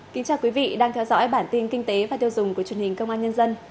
chào mừng quý vị đến với bản tin kinh tế và tiêu dùng của truyền hình công an nhân dân